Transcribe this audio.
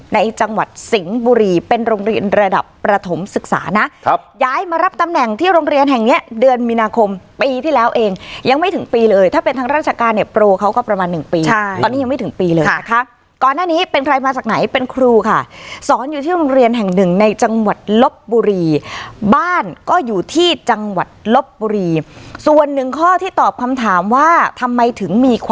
ในจังหวัดสิงห์บุรีเป็นโรงเรียนระดับประถมศึกษานะครับย้ายมารับตำแหน่งที่โรงเรียนแห่งเนี้ยเดือนมีนาคมปีที่แล้วเองยังไม่ถึงปีเลยถ้าเป็นทางราชการเนี่ยโปรเขาก็ประมาณหนึ่งปีใช่ตอนนี้ยังไม่ถึงปีเลยนะคะก่อนหน้านี้เป็นใครมาจากไหนเป็นครูค่ะสอนอยู่ที่โรงเรียนแห่งหนึ่งในจังหวัดลบบุรีบ้านก็อยู่ที่จังหวัดลบบุรีส่วนหนึ่งข้อที่ตอบคำถามว่าทำไมถึงมีค